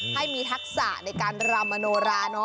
ให้มีทักษะในการรำหน่วระ